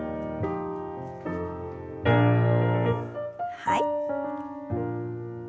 はい。